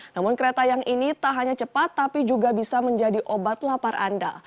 namun kereta yang ini tak hanya cepat tapi juga bisa menjadi obat lapar anda